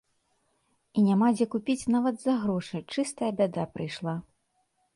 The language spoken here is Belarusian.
І няма дзе купіць нават за грошы, чыстая бяда прыйшла.